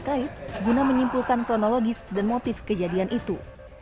terkait guna menyimpulkan kronologis dan motif kejadian itu